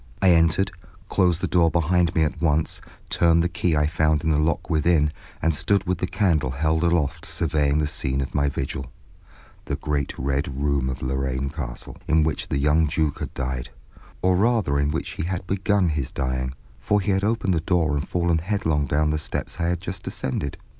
I entered, closed the door behind me at once, turned the key I found in the lock within, and stood with the candle held aloft surveying the scene of my vigil, the great Red Room of Lorraine Castle, in which the young Duke had died; or rather in which he had begun his dying, for he had opened the door and fallen headlong down the steps I had just ascended.